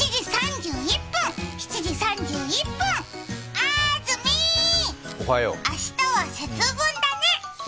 あーずみー、明日は節分だね。